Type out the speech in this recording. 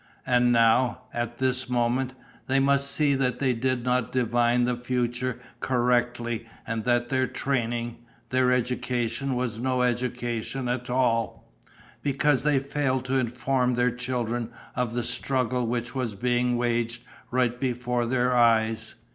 And now, at this moment, they must see that they did not divine the future correctly and that their training, their education was no education at all, because they failed to inform their children of the struggle which was being waged right before their eyes.